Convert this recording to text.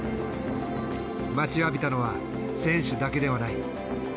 待ちわびたのは選手だけではない。